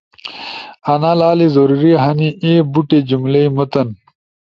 انا لالے ضروری ہنی اے بوٹی جملئی متن